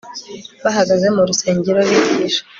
bahagaze mu rusengero bigisha